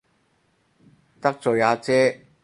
得罪阿姐